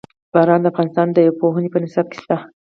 باران د افغانستان د پوهنې په نصاب کې شته.